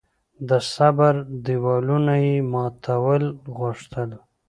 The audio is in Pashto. د صبر دېوالونه یې ماتول غوښتل.